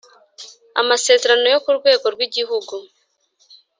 amasezerano yo ku rwego rw igihugu